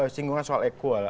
singgungan soal ekual